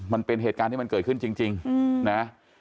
มันเป็นเหตุการณ์ที่มันเกิดขึ้นจริงนะ